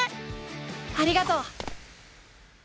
ありがとう！